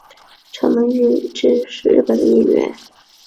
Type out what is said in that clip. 长门裕之是日本的演员。